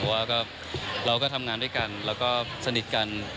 เพราะว่าเราก็ทำงานด้วยกันแล้วก็สนิทกัน